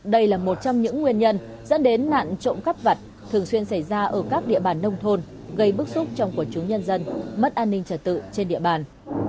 đây là một trong những nguyên nhân dẫn đến nạn trộm các vật thường xuyên xảy ra ở các địa bàn nông thôn gây bức xúc trong của chúng nhân dân mất an ninh trả tự trên địa bàn